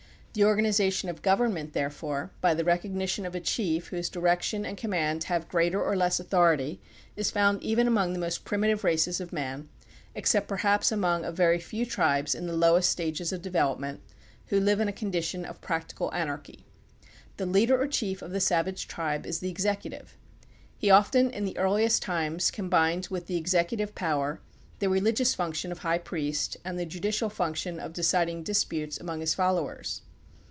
The organization of government, therefore, by the recognition of a chief whose direction and com mand have greater or less authority is found even among the most primitive races of men, except per haps among a very few tribes in the lowest stages of development who live in a condition of practical anarchy. The leader or chief of the savage tribe is the executive. He often, in the earliest times, com bined with the executive power the religious function of high priest and the judicial function of deciding disputes among his followers.